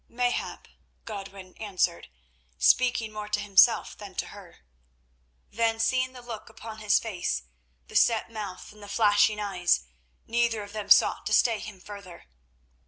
"Mayhap," Godwin answered, speaking more to himself than to her. Then seeing the look upon his face, the set mouth and the flashing eyes, neither of them sought to stay him further.